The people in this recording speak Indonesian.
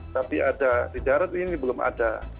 tapi ada di darat ini belum ada